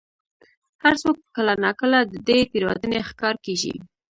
هر څوک کله نا کله د دې تېروتنې ښکار کېږي.